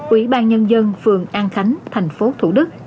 ủy ban nhân dân phường an khánh thành phố thủ đức